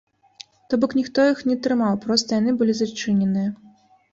То бок, ніхто іх не трымаў, проста яны былі зачыненыя.